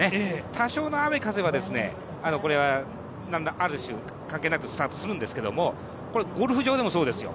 多少の雨風はある種、関係なくスタートするんですけどゴルフ場でもそうですよ。